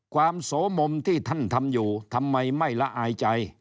โสมมที่ท่านทำอยู่ทำไมไม่ละอายใจ